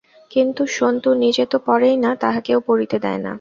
কিন্তু সন্তু নিজে তো পড়েই না, তাহাকেও পড়িতে দেয় না।